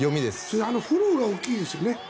フォローが大きいですよね。